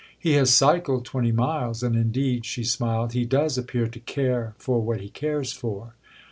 "He has cycled twenty miles. And indeed," she smiled, "he does appear to care for what he cares for!"